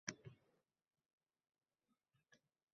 va uning ushlangani, qayerda saqlanayotgani, nimada ayblanayotgani